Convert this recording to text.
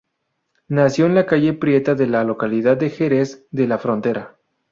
Nació en la calle Prieta de la localidad de Jerez de la Frontera.